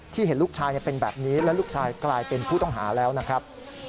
เห็นลูกชายเป็นแบบนี้และลูกชายกลายเป็นผู้ต้องหาแล้วนะครับ